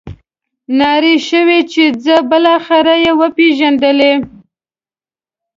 نارې شوې چې ځه بالاخره یې وپېژندلې.